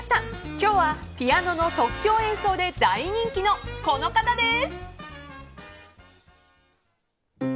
今日はピアノの即興演奏で大人気のこの方です！